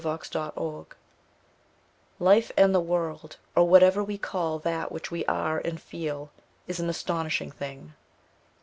1840] ON LIFE Life and the world, or whatever we call that which we are and feel, is an astonishing thing.